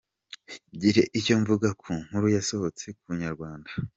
Ngire icyo mvuga ku nkuru yasohotse ku Inyarwanda.